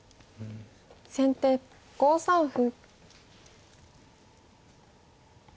先手５三歩。